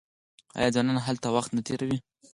آیا ځوانان هلته وخت نه تیروي؟